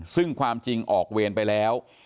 ซึ่งความจริงออกเวรไปแล้ว